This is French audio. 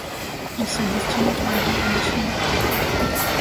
Il se destinait tout d'abord à la chimie.